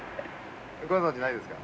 ご存じないですか？